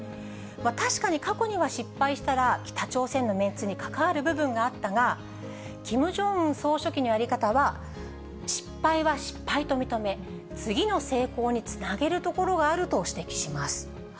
確かに、過去には失敗したら、北朝鮮のメンツにかかわる部分があったが、キム・ジョンウン総書記のやり方は、失敗は失敗と認め、次の成功につなげるところがあると指摘します。